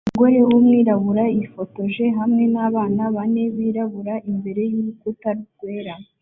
Umugore wumwirabura yifotoje hamwe nabana bane birabura imbere yurukuta rwera